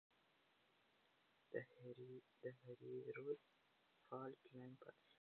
د هریرود فالټ لاین فعال دی